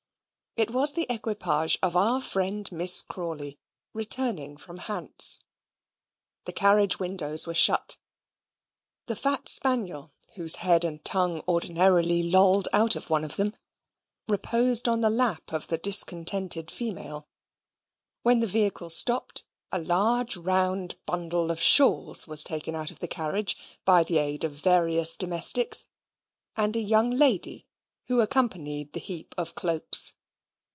It was the equipage of our friend Miss Crawley, returning from Hants. The carriage windows were shut; the fat spaniel, whose head and tongue ordinarily lolled out of one of them, reposed on the lap of the discontented female. When the vehicle stopped, a large round bundle of shawls was taken out of the carriage by the aid of various domestics and a young lady who accompanied the heap of cloaks.